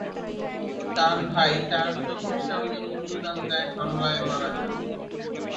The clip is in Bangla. তার ভাই তার চোখের সামনে হিন্দু দাঙ্গায় হামলায় মারা যান।